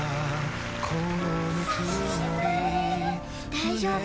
大丈夫。